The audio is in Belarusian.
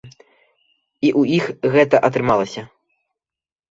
І ў іх гэта атрымалася.